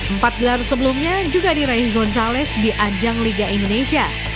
empat gelar sebelumnya juga diraih gonzalez di ajang liga indonesia